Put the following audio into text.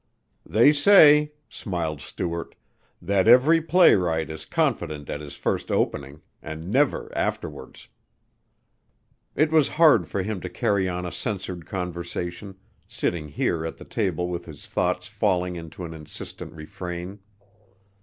"They say," smiled Stuart, "that every playwright is confident at his first opening and never afterwards." It was hard for him to carry on a censored conversation, sitting here at the table with his thoughts falling into an insistent refrain.